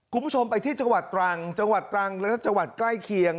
คุณผู้ชมไปที่จังหวัดตรังจังหวัดตรังและจังหวัดใกล้เคียง